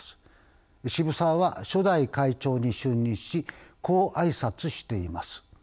渋沢は初代会長に就任しこう挨拶しています。